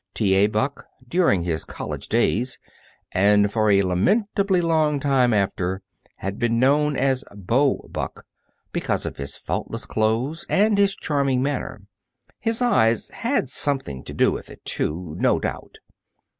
T. A. Buck, during his college days, and for a lamentably long time after, had been known as "Beau" Buck, because of his faultless clothes and his charming manner. His eyes had something to do with it, too, no doubt.